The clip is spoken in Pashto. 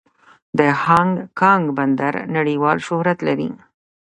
د هانګ کانګ بندر نړیوال شهرت لري.